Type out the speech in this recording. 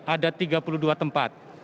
ada tiga puluh dua tempat